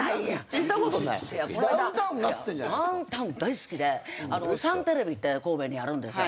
ダウンタウン大好きでサンテレビって神戸にあるんですよ。